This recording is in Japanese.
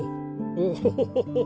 オホホホホ。